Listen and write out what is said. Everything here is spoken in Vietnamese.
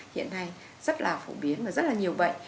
hiện nay rất là phổ biến và rất là nhiều bệnh